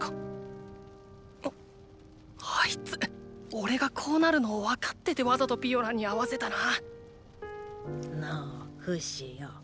おれがこうなるのを分かっててわざとピオランに会わせたな！のおフシよ。